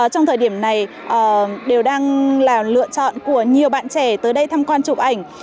trong thời điểm này đều đang là lựa chọn của nhiều bạn trẻ tới đây tham quan chụp ảnh